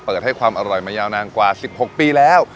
ให้ความอร่อยมายาวนานกว่า๑๖ปีแล้ว